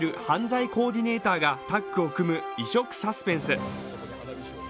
犯罪コーディネーターがタッグを組む異色サスペンス。